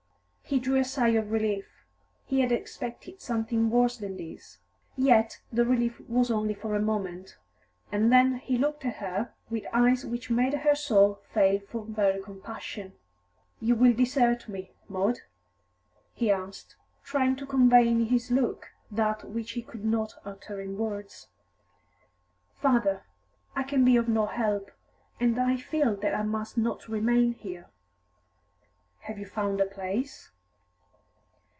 He drew a sigh of relief; he had expected something worse than this. Yet the relief was only for a moment, and then he looked at her with eyes which made her soul fail for very compassion. "You will desert me, Maud?" he asked, trying to convey in his look that which he could not utter in words. "Father, I can be of no help, and I feel that I must not remain here." "Have you found a place?"